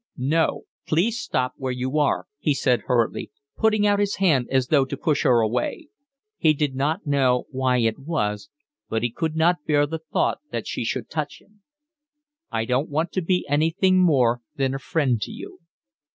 "No, please stop where you are," he said hurriedly, putting out his hand as though to push her away. He did not know why it was, but he could not bear the thought that she should touch him. "I don't want to be anything more than a friend to you."